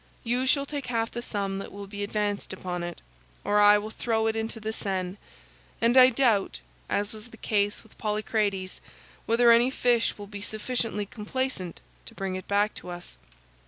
You shall take half the sum that will be advanced upon it, or I will throw it into the Seine; and I doubt, as was the case with Polycrates, whether any fish will be sufficiently complaisant to bring it back to us."